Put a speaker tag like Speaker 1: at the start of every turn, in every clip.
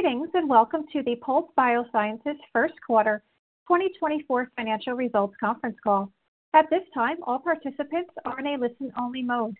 Speaker 1: Greetings, and welcome to the Pulse Biosciences First Quarter 2024 financial results conference call. At this time, all participants are in a listen-only mode.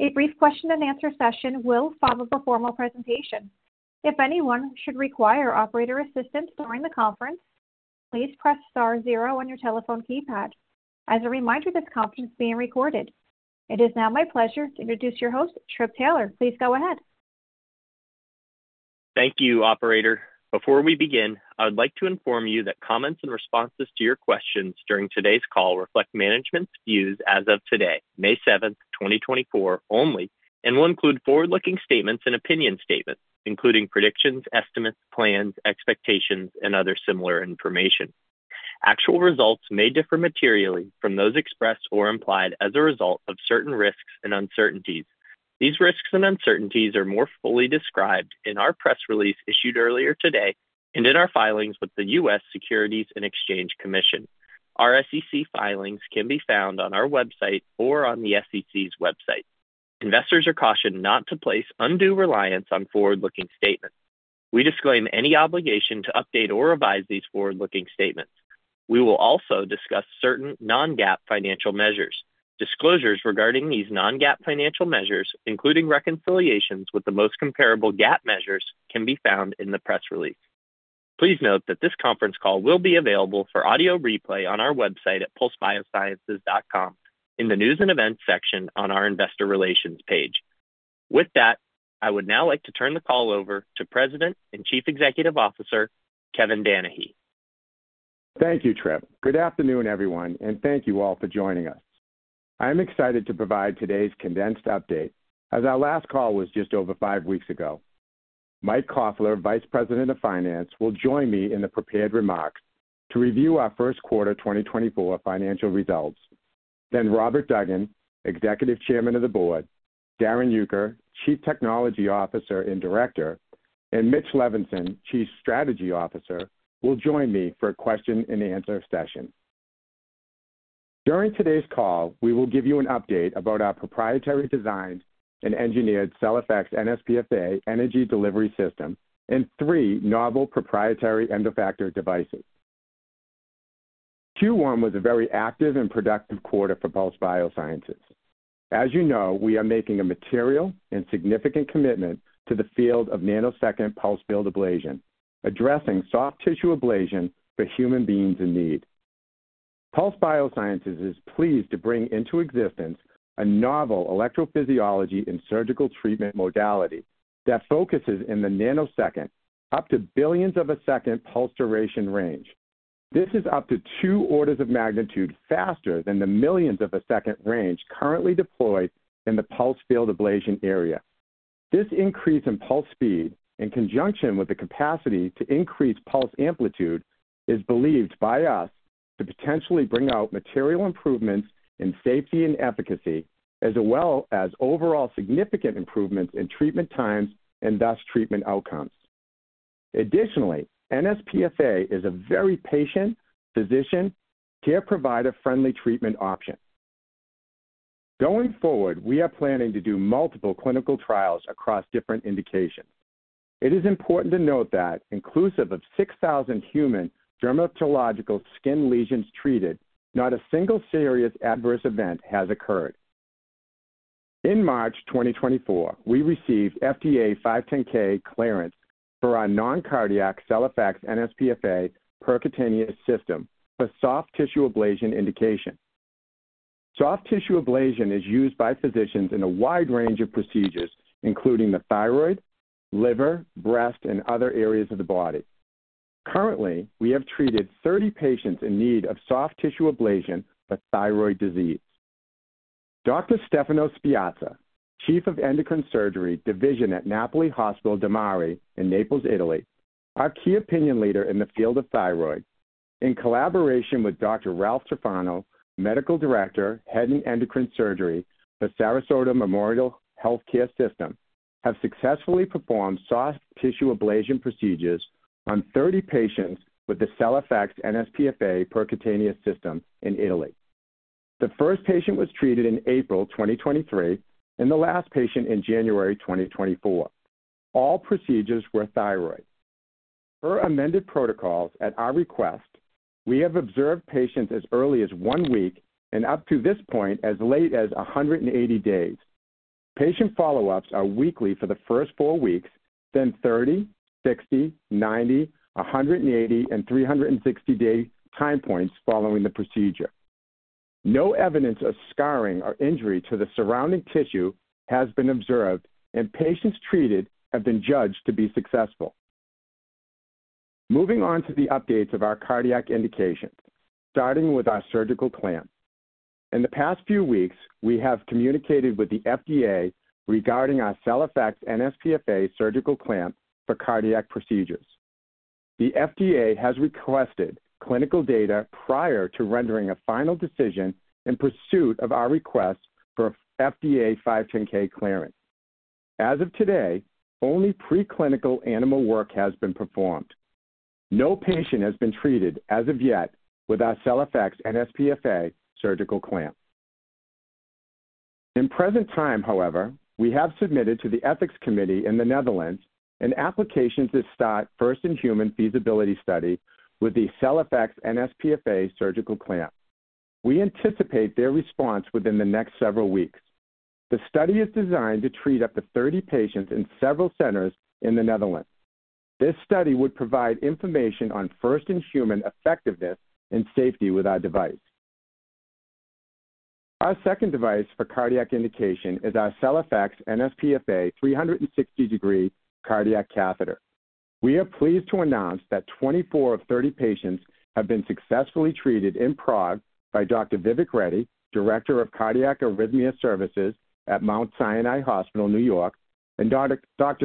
Speaker 1: A brief question-and-answer session will follow the formal presentation. If anyone should require operator assistance during the conference, please press star zero on your telephone keypad. As a reminder, this conference is being recorded. It is now my pleasure to introduce your host, Trip Taylor. Please go ahead.
Speaker 2: Thank you, operator. Before we begin, I would like to inform you that comments and responses to your questions during today's call reflect management's views as of today, May 7, 2024, only, and will include forward-looking statements and opinion statements, including predictions, estimates, plans, expectations, and other similar information. Actual results may differ materially from those expressed or implied as a result of certain risks and uncertainties. These risks and uncertainties are more fully described in our press release issued earlier today and in our filings with the U.S. Securities and Exchange Commission. Our SEC filings can be found on our website or on the SEC's website. Investors are cautioned not to place undue reliance on forward-looking statements. We disclaim any obligation to update or revise these forward-looking statements. We will also discuss certain non-GAAP financial measures. Disclosures regarding these non-GAAP financial measures, including reconciliations with the most comparable GAAP measures, can be found in the press release. Please note that this conference call will be available for audio replay on our website at pulsebiosciences.com in the News and Events section on our Investor Relations page. With that, I would now like to turn the call over to President and Chief Executive Officer, Kevin Danahy.
Speaker 3: Thank you, Trip. Good afternoon, everyone, and thank you all for joining us. I'm excited to provide today's condensed update as our last call was just over five weeks ago. Mike Koffler, Vice President of Finance, will join me in the prepared remarks to review our first quarter 2024 financial results. Then Robert Duggan, Executive Chairman of the Board, Darrin Uecker, Chief Technology Officer and Director, and Mitch Levinson, Chief Strategy Officer, will join me for a question-and-answer session. During today's call, we will give you an update about our proprietary designed and engineered CellFX nsPFA energy delivery system and three novel proprietary end-effector devices. Q1 was a very active and productive quarter for Pulse Biosciences. As you know, we are making a material and significant commitment to the field of nanosecond pulsed field ablation, addressing soft tissue ablation for human beings in need. Pulse Biosciences is pleased to bring into existence a novel electrophysiology and surgical treatment modality that focuses in the nanosecond, up to billions of a second pulse duration range. This is up to two orders of magnitude faster than the millions of a second range currently deployed in the pulsed field ablation area. This increase in pulse speed, in conjunction with the capacity to increase pulse amplitude, is believed by us to potentially bring out material improvements in safety and efficacy, as well as overall significant improvements in treatment times and thus treatment outcomes. Additionally, nsPFA is a very patient, physician, care provider-friendly treatment option. Going forward, we are planning to do multiple clinical trials across different indications. It is important to note that inclusive of 6,000 human dermatological skin lesions treated, not a single serious adverse event has occurred. In March 2024, we received FDA 510(k) clearance for our non-cardiac CellFX nsPFA percutaneous system for soft tissue ablation indication. Soft tissue ablation is used by physicians in a wide range of procedures, including the thyroid, liver, breast, and other areas of the body. Currently, we have treated 30 patients in need of soft tissue ablation for thyroid disease. Dr. Stefano Spiezia, Chief of Endocrine Surgery Division at Ospedale del Mare in Naples, Italy, our key opinion leader in the field of thyroid, in collaboration with Dr. Ralph Tufano, Medical Director, Head and Neck Endocrine Surgery for Sarasota Memorial Health Care System, have successfully performed soft tissue ablation procedures on 30 patients with the CellFX nsPFA percutaneous system in Italy. The first patient was treated in April 2023, and the last patient in January 2024. All procedures were thyroid. Per amended protocols at our request, we have observed patients as early as one week and up to this point, as late as 180 days. Patient follow-ups are weekly for the first four weeks, then 30, 60, 90, 180, and 360 day time points following the procedure. No evidence of scarring or injury to the surrounding tissue has been observed, and patients treated have been judged to be successful. Moving on to the updates of our cardiac indications, starting with our surgical clamp. In the past few weeks, we have communicated with the FDA regarding our CellFX nsPFA surgical clamp for cardiac procedures. The FDA has requested clinical data prior to rendering a final decision in pursuit of our request for FDA 510(k) clearance. As of today, only preclinical animal work has been performed. No patient has been treated as of yet with our CellFX nsPFA surgical clamp. In present time, however, we have submitted to the ethics committee in the Netherlands an application to start first-in-human feasibility study with the CellFX nsPFA surgical clamp. We anticipate their response within the next several weeks. The study is designed to treat up to 30 patients in several centers in the Netherlands. This study would provide information on first-in-human effectiveness and safety with our device. Our second device for cardiac indication is our CellFX nsPFA 360-degree cardiac catheter. We are pleased to announce that 24 of 30 patients have been successfully treated in Prague by Dr. Vivek Reddy, Director of Cardiac Arrhythmia Services at Mount Sinai Hospital, New York, and Dr.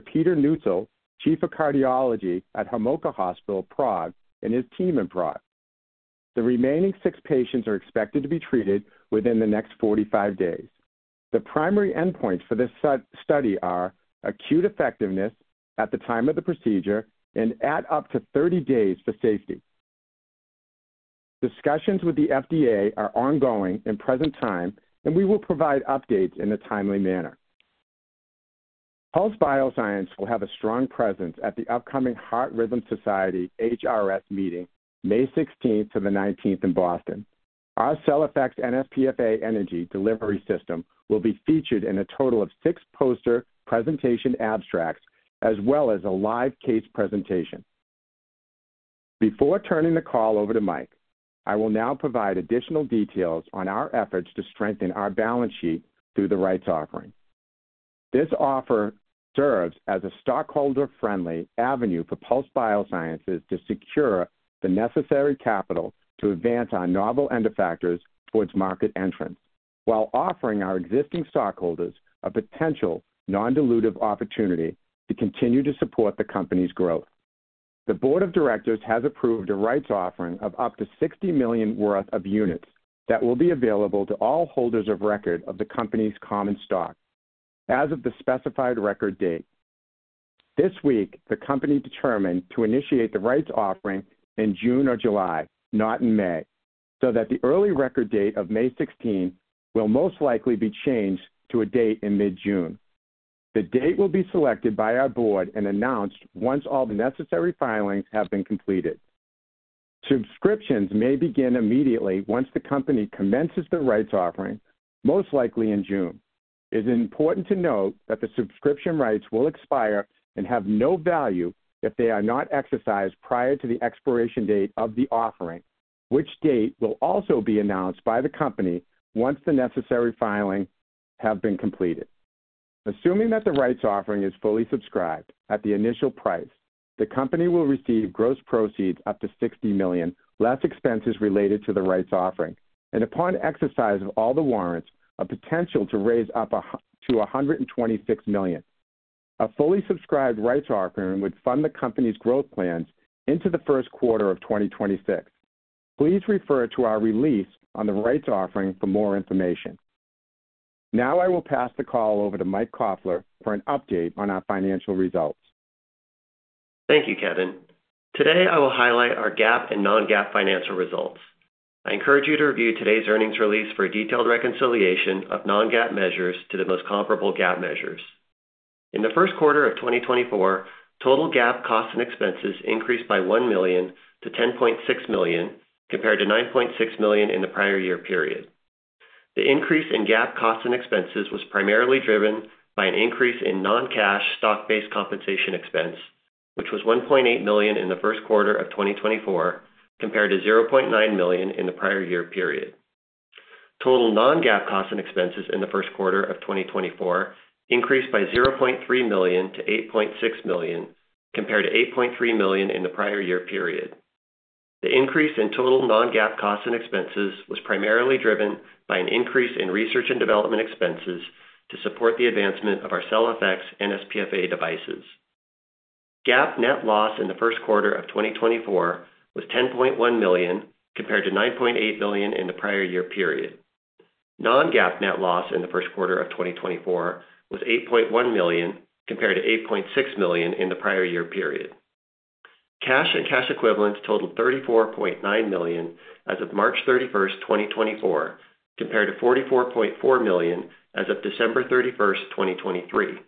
Speaker 3: Petr Neuzil, Chief of Cardiology at Homolka Hospital, Prague, and his team in Prague. The remaining six patients are expected to be treated within the next 45 days. The primary endpoints for this study are acute effectiveness at the time of the procedure and at up to 30 days for safety. Discussions with the FDA are ongoing in present time, and we will provide updates in a timely manner. Pulse Biosciences will have a strong presence at the upcoming Heart Rhythm Society, HRS, meeting, May 16th to the 19th in Boston. Our CellFX nsPFA energy delivery system will be featured in a total of six poster presentation abstracts, as well as a live case presentation. Before turning the call over to Mike, I will now provide additional details on our efforts to strengthen our balance sheet through the rights offering. This offer serves as a stockholder-friendly avenue for Pulse Biosciences to secure the necessary capital to advance our novel end-effectors towards market entrance, while offering our existing stockholders a potential non-dilutive opportunity to continue to support the company's growth. The board of directors has approved a rights offering of up to $60 million worth of units that will be available to all holders of record of the company's common stock as of the specified record date. This week, the company determined to initiate the rights offering in June or July, not in May, so that the early record date of May 16 will most likely be changed to a date in mid-June. The date will be selected by our board and announced once all the necessary filings have been completed. Subscriptions may begin immediately once the company commences the rights offering, most likely in June. It is important to note that the subscription rights will expire and have no value if they are not exercised prior to the expiration date of the offering, which date will also be announced by the company once the necessary filings have been completed. Assuming that the rights offering is fully subscribed at the initial price, the company will receive gross proceeds up to $60 million, less expenses related to the rights offering, and upon exercise of all the warrants, a potential to raise up to $126 million. A fully subscribed rights offering would fund the company's growth plans into the first quarter of 2026. Please refer to our release on the rights offering for more information. Now I will pass the call over to Mike Koffler for an update on our financial results.
Speaker 4: Thank you, Kevin. Today, I will highlight our GAAP and non-GAAP financial results. I encourage you to review today's earnings release for a detailed reconciliation of non-GAAP measures to the most comparable GAAP measures. In the first quarter of 2024, total GAAP costs and expenses increased by $1 million to $10.6 million, compared to $9.6 million in the prior year period. The increase in GAAP costs and expenses was primarily driven by an increase in non-cash stock-based compensation expense, which was $1.8 million in the first quarter of 2024, compared to $0.9 million in the prior year period. Total non-GAAP costs and expenses in the first quarter of 2024 increased by $0.3 million to $8.6 million, compared to $8.3 million in the prior year period. The increase in total non-GAAP costs and expenses was primarily driven by an increase in research and development expenses to support the advancement of our CellFX nsPFA devices. GAAP net loss in the first quarter of 2024 was $10.1 million, compared to $9.8 million in the prior year period. Non-GAAP net loss in the first quarter of 2024 was $8.1 million, compared to $8.6 million in the prior year period. Cash and cash equivalents totaled $34.9 million as of March 31, 2024, compared to $44.4 million as of December 31, 2023.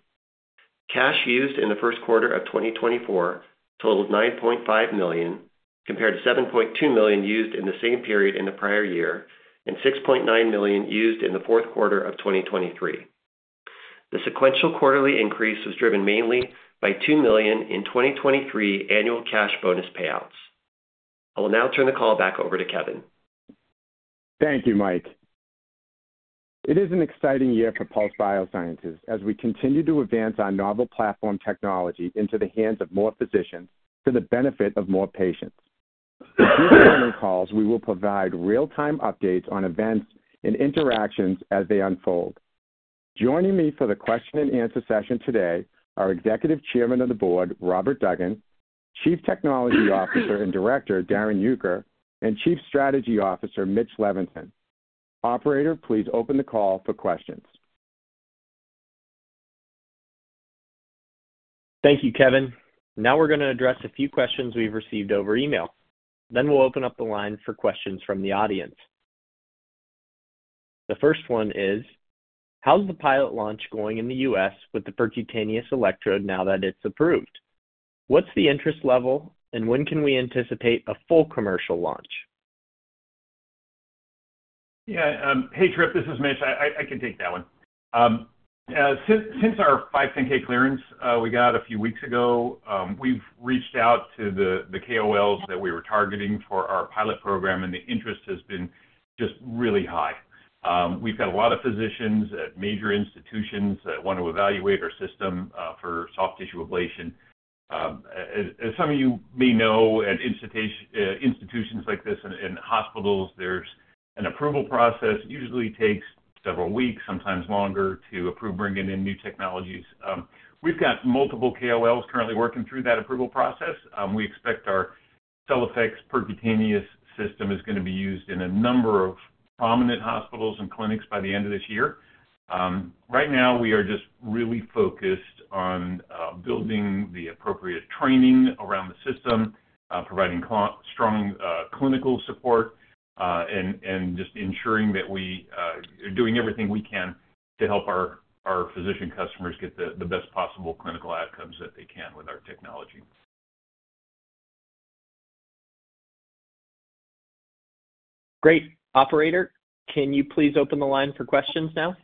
Speaker 4: Cash used in the first quarter of 2024 totaled $9.5 million, compared to $7.2 million used in the same period in the prior year, and $6.9 million used in the fourth quarter of 2023. The sequential quarterly increase was driven mainly by $2 million in 2023 annual cash bonus payouts. I will now turn the call back over to Kevin.
Speaker 3: Thank you, Mike. It is an exciting year for Pulse Biosciences as we continue to advance our novel platform technology into the hands of more physicians for the benefit of more patients. In future earnings calls, we will provide real-time updates on events and interactions as they unfold. Joining me for the question and answer session today are Executive Chairman of the Board, Robert Duggan, Chief Technology Officer and Director, Darrin Uecker, and Chief Strategy Officer, Mitch Levinson. Operator, please open the call for questions.
Speaker 2: Thank you, Kevin. Now we're going to address a few questions we've received over email, then we'll open up the line for questions from the audience. The first one is: How's the pilot launch going in the U.S. with the percutaneous electrode now that it's approved? What's the interest level, and when can we anticipate a full commercial launch?
Speaker 5: Yeah, hey, Trip, this is Mitch. I can take that one. Since our 510(k) clearance we got a few weeks ago, we've reached out to the KOLs that we were targeting for our pilot program, and the interest has been just really high. We've had a lot of physicians at major institutions that want to evaluate our system for soft tissue ablation. As some of you may know, at institutions like this and hospitals, there's an approval process, usually takes several weeks, sometimes longer, to approve bringing in new technologies. We've got multiple KOLs currently working through that approval process. We expect our CellFX percutaneous system is going to be used in a number of prominent hospitals and clinics by the end of this year. Right now, we are just really focused on building the appropriate training around the system, providing strong clinical support, and just ensuring that we are doing everything we can to help our physician customers get the best possible clinical outcomes that they can with our technology.
Speaker 2: Great. Operator, can you please open the line for questions now?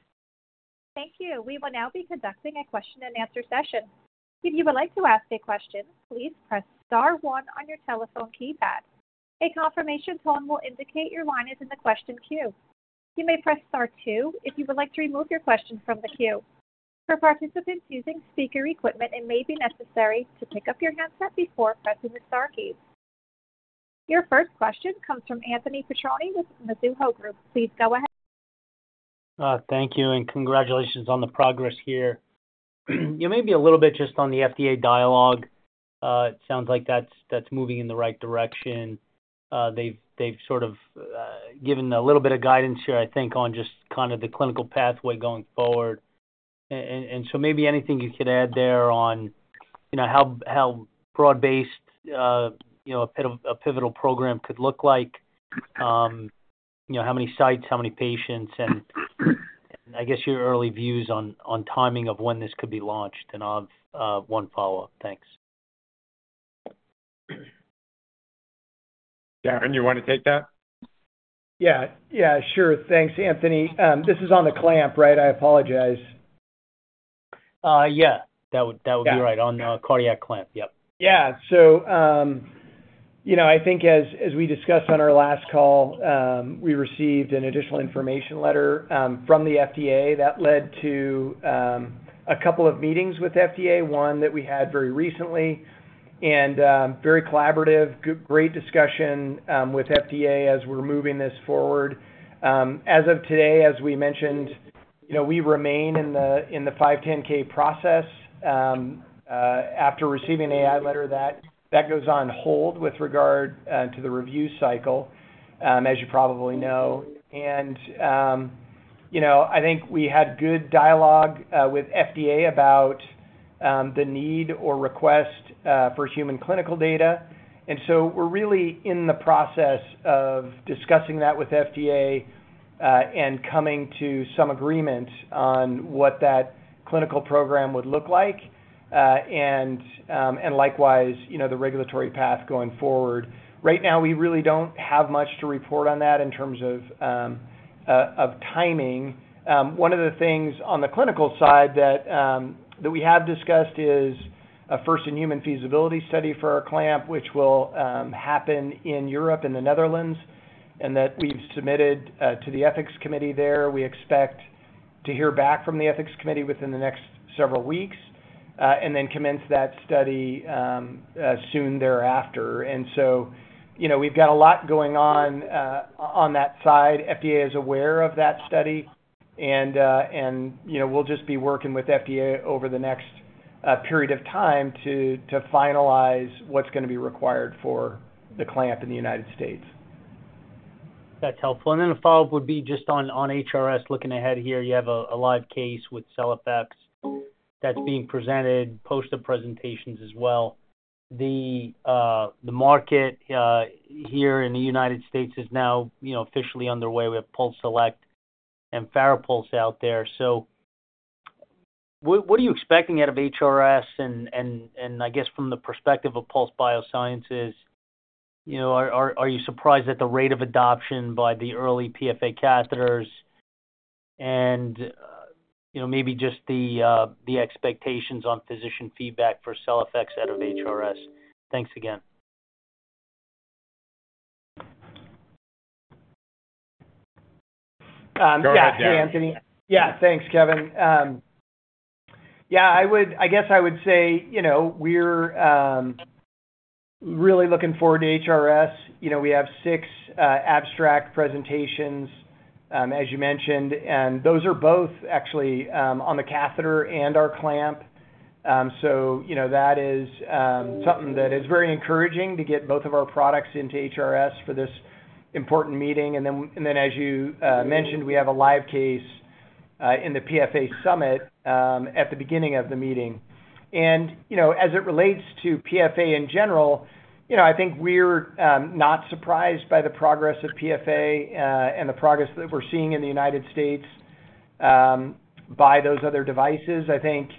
Speaker 1: Thank you. We will now be conducting a question and answer session. If you would like to ask a question, please press star one on your telephone keypad. A confirmation tone will indicate your line is in the question queue. You may press star two if you would like to remove your question from the queue. For participants using speaker equipment, it may be necessary to pick up your headset before pressing the star key. Your first question comes from Anthony Petrone with the Mizuho Group. Please go ahead.
Speaker 6: Thank you, and congratulations on the progress here. Yeah, maybe a little bit just on the FDA dialogue. It sounds like that's moving in the right direction. They've sort of given a little bit of guidance here, I think, on just kind of the clinical pathway going forward. And so maybe anything you could add there on, you know, how broad-based a pivotal program could look like? You know, how many sites, how many patients, and I guess your early views on timing of when this could be launched, and I'll have one follow-up. Thanks.
Speaker 5: Darren, you want to take that?
Speaker 7: Yeah. Yeah, sure. Thanks, Anthony. This is on the clamp, right? I apologize.
Speaker 6: Yeah, that would, that would be right-
Speaker 7: Yeah.
Speaker 6: On the Cardiac Clamp. Yep.
Speaker 7: Yeah. So, you know, I think as we discussed on our last call, we received an additional information letter from the FDA. That led to a couple of meetings with FDA, one that we had very recently, and very collaborative, great discussion with FDA as we're moving this forward. As of today, as we mentioned, you know, we remain in the 510(k) process after receiving an AI letter, that goes on hold with regard to the review cycle, as you probably know. You know, I think we had good dialogue with FDA about the need or request for human clinical data. And so we're really in the process of discussing that with FDA, and coming to some agreement on what that clinical program would look like, and likewise, you know, the regulatory path going forward. Right now, we really don't have much to report on that in terms of of timing. One of the things on the clinical side that we have discussed is a first-in-human feasibility study for our clamp, which will happen in Europe and the Netherlands, and that we've submitted to the ethics committee there. We expect to hear back from the ethics committee within the next several weeks, and then commence that study soon thereafter. And so, you know, we've got a lot going on, on that side. FDA is aware of that study, and, you know, we'll just be working with FDA over the next period of time to finalize what's going to be required for the clamp in the United States.
Speaker 6: That's helpful. And then a follow-up would be just on HRS. Looking ahead here, you have a live case with CellFX that's being presented, poster presentations as well. The market here in the United States is now, you know, officially underway. We have PulseSelect and FARAPULSE out there. So what are you expecting out of HRS? And I guess from the perspective of Pulse Biosciences, you know, are you surprised at the rate of adoption by the early PFA catheters? And you know, maybe just the expectations on physician feedback for CellFX out of HRS. Thanks again.
Speaker 7: Um, yeah.
Speaker 5: Go ahead, Darren.
Speaker 7: Hey, Anthony. Yeah, thanks, Darrin. Yeah, I guess I would say, you know, we're really looking forward to HRS. You know, we have six abstract presentations, as you mentioned, and those are both actually on the catheter and our clamp. So, you know, that is something that is very encouraging to get both of our products into HRS for this important meeting. And then, as you mentioned, we have a live case in the PFA summit at the beginning of the meeting. And, you know, as it relates to PFA in general, you know, I think we're not surprised by the progress of PFA and the progress that we're seeing in the United States by those other devices. I think,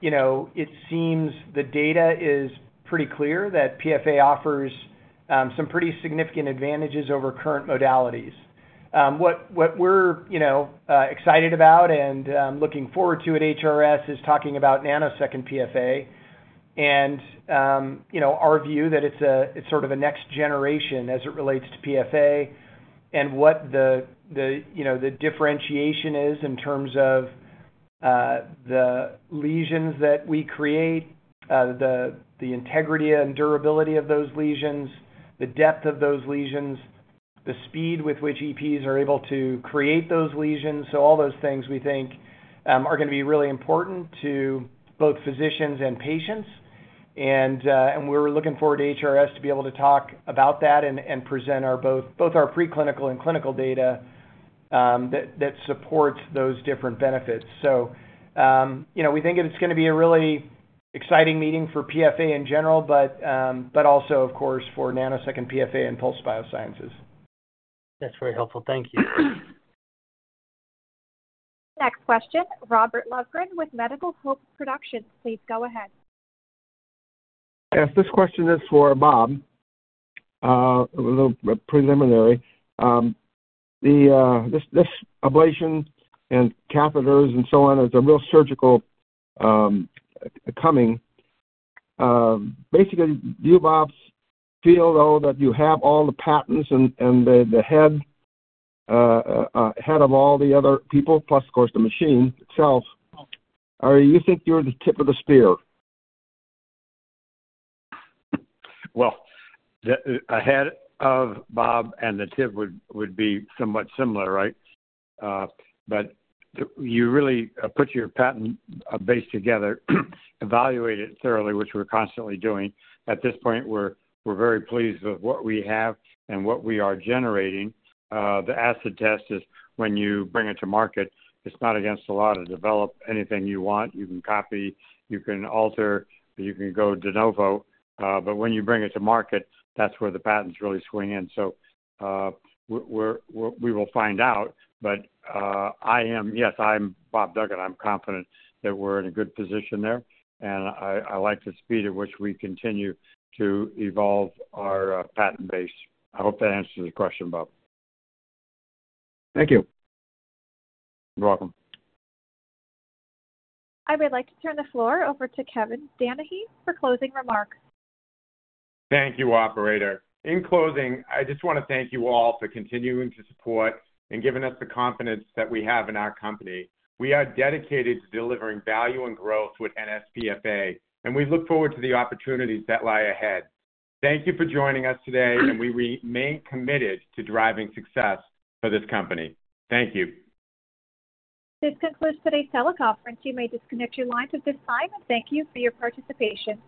Speaker 7: you know, it seems the data is pretty clear that PFA offers some pretty significant advantages over current modalities. What, what we're, you know, excited about and looking forward to at HRS is talking about nanosecond PFA. And, you know, our view that it's a, it's sort of a next generation as it relates to PFA and what the, the, you know, the differentiation is in terms of the lesions that we create, the integrity and durability of those lesions, the depth of those lesions, the speed with which EPs are able to create those lesions. So all those things, we think, are gonna be really important to both physicians and patients. We're looking forward to HRS to be able to talk about that and present both our preclinical and clinical data that supports those different benefits. So, you know, we think it's gonna be a really exciting meeting for PFA in general, but also, of course, for nanosecond PFA and Pulse Biosciences.
Speaker 6: That's very helpful. Thank you.
Speaker 1: Next question, Robert Lovgren with Medical Hope Productions. Please go ahead.
Speaker 8: Yes, this question is for Rob. A little preliminary. This ablation and catheters and so on is a real surgical coming. Basically, do you, Rob, feel, though, that you have all the patents and the head ahead of all the other people, plus, of course, the machine itself? Or you think you're the tip of the spear?
Speaker 9: Well, ahead of Rob and the team would be somewhat similar, right? But you really put your patent base together, evaluate it thoroughly, which we're constantly doing. At this point, we're very pleased with what we have and what we are generating. The acid test is when you bring it to market, it's not against the law to develop anything you want. You can copy, you can alter, you can go de novo, but when you bring it to market, that's where the patents really swing in. So, we will find out. But, I am, yes, I'm Rob Duggan. I'm confident that we're in a good position there, and I like the speed at which we continue to evolve our patent base. I hope that answers your question, Rob.
Speaker 8: Thank you.
Speaker 9: You're welcome.
Speaker 1: I would like to turn the floor over to Kevin Danahy for closing remarks.
Speaker 3: Thank you, operator. In closing, I just wanna thank you all for continuing to support and giving us the confidence that we have in our company. We are dedicated to delivering value and growth with nsPFA, and we look forward to the opportunities that lie ahead. Thank you for joining us today, and we remain committed to driving success for this company. Thank you.
Speaker 1: This concludes today's teleconference. You may disconnect your lines at this time. Thank you for your participation.